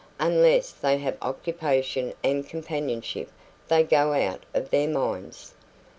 Unless they have occupation and companionship they go out of their minds.